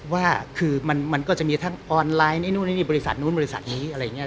ว่าคือมันก็จะมีทั้งออนไลน์นี่นู่นนี่บริษัทนู้นบริษัทนี้อะไรอย่างนี้